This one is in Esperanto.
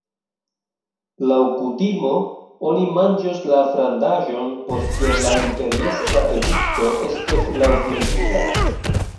Laŭ kutimo oni manĝos la frandaĵon post kiam la imperiestra edikto estos laŭtlegita.